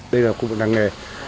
đây là cục năng nghề